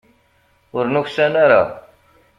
Ur nuksan ara.